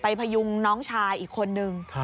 พยุงน้องชายอีกคนนึง